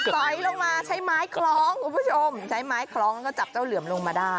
สอยลงมาใช้ไม้คล้องคุณผู้ชมใช้ไม้คล้องแล้วก็จับเจ้าเหลือมลงมาได้